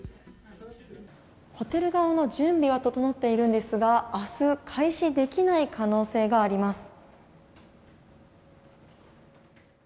ホテル側の準備は整っているんですが明日開始できない可能性があります。